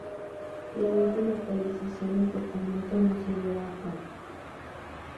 La última actualización del Testamento no se lleva a cabo.